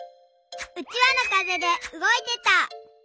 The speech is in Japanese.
うちわのかぜでうごいてた。